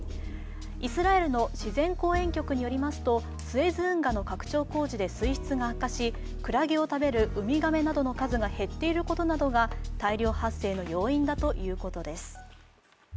イスラエルの自然公園局によりますと、スエズ運河の拡張工事で水質が悪化し、くらげを食べる海亀などの数が減っていることなどが大量発生の要因だということです。